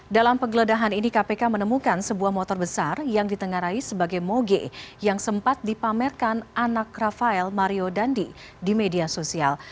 dalam penggeledahan ini kpk menemukan sebuah motor besar yang ditengarai sebagai moge yang sempat dipamerkan anak rafael mario dandi di media sosial